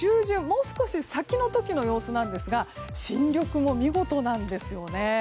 もう少し先の時の様子なんですが新緑も見事なんですよね。